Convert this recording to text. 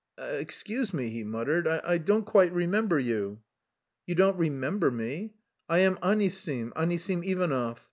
"Excuse me," he muttered, "I don't quite remember you." "You don't remember me. I am Anisim, Anisim Ivanov.